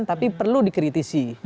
tapi perlu dikritisi